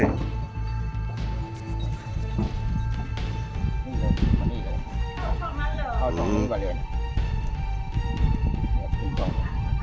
เอาตรงนี้ก่อนเลย